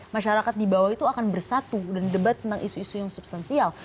masyarakat di bawah itu akan bersatu dan debat tentang isu isu yang substansial